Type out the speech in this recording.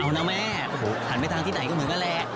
เอานะแม่โอ้โหหันไปทางที่ไหนก็เหมือนกันแหละ